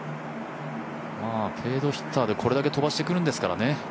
フェードヒッターで、これだけ飛ばしてくるんですからね。